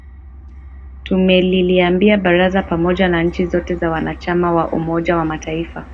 tumeliambia baraza pamoja na nchi zote za wanachama wa umoja wa mataifa